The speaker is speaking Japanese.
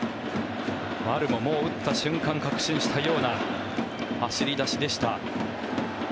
丸も打った瞬間、確信したような走り出しでした。